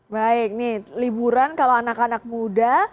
baik nih liburan kalau anak anak muda